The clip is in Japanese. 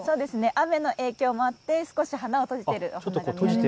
雨の影響もあって少し花を閉じているお花がありますね。